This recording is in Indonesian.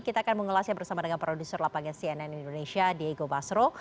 kita akan mengulasnya bersama dengan produser lapangan cnn indonesia diego basro